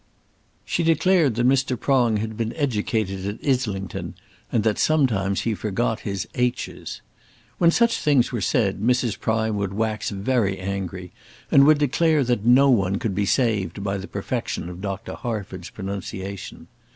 She declared that Mr. Prong had been educated at Islington, and that sometimes he forgot his "h's." When such things were said Mrs. Prime would wax very angry, and would declare that no one could be saved by the perfection of Dr. Harford's pronunciation.